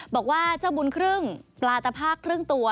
บอกว่าเจ้าบุญครึ่งปลาตภาคครึ่งตัว